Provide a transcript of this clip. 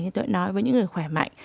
như tôi nói với những người khỏe mạnh